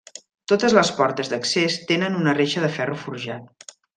Totes les portes d'accés tenen una reixa de ferro forjat.